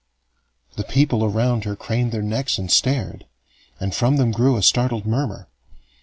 The people around her craned their necks and stared, and from them grew a startled murmur.